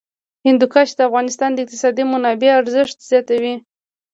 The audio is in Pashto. هندوکش د افغانستان د اقتصادي منابعو ارزښت زیاتوي.